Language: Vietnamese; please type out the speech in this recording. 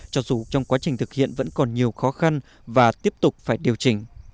cho dù trong quá trình thực hiện vẫn còn nhiều khó khăn và tiếp tục phải điều chỉnh